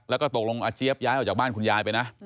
แล้วก็ตกลงอาเจี๊ยบย้ายออกจากบ้านคุณยายไปนะ